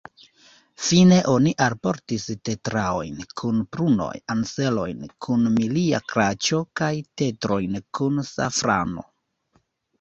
Fine oni alportis tetraojn kun prunoj, anserojn kun milia kaĉo kaj tetrojn kun safrano.